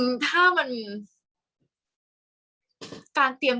กากตัวทำอะไรบ้างอยู่ตรงนี้คนเดียว